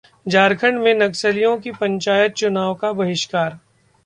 झारखंड में नक्सलियों का पंचायत चुनाव का बहिष्कार